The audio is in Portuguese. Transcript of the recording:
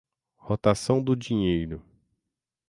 rotação do dinheiro